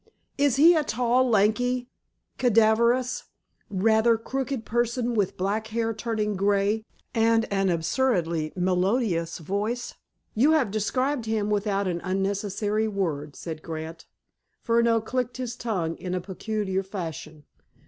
"Is he a tall, lanky, cadaverous, rather crooked person, with black hair turning gray, and an absurdly melodious voice?" "You have described him without an unnecessary word," said Grant. Furneaux clicked his tongue in a peculiar fashion.